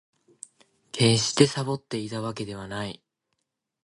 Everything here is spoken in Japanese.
決してサボっていたわけではない